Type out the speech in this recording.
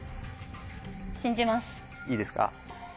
いいですか？